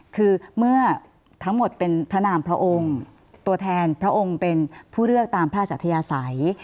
คือเมื่อทั้งหมดเป็นพระนามพระองค์ตัวแทนพระองค์เป็นผู้เลือกตามพระสัทยาศัย